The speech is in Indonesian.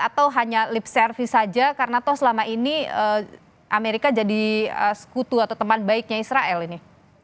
atau hanya lip service saja karena toh selama ini amerika jadi sekutu atau teman baiknya israel ini